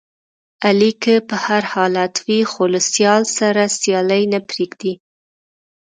علي که په هر حالت وي، خو له سیال سره سیالي نه پرېږدي.